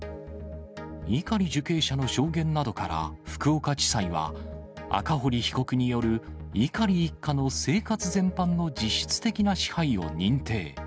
碇受刑者の証言などから福岡地裁は、赤堀被告による碇一家の生活全般の実質的な支配を認定。